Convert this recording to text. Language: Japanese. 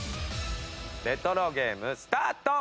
レトロゲームスタート！